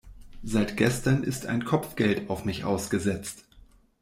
Seit gestern ist ein Kopfgeld auf mich ausgesetzt.